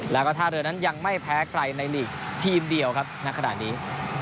แล้วก็ท่าเรือนั้นยังไม่แพ้ใครในหลีกทีมเดียวครับณขณะนี้